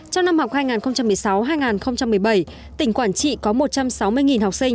trong năm học hai nghìn một mươi sáu hai nghìn một mươi bảy tỉnh quảng trị có một trăm sáu mươi học sinh